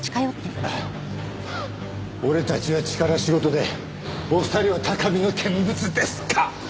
俺たちは力仕事でお二人は高みの見物ですか！